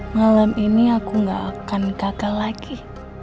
malam ini aku gak akan gagal lagi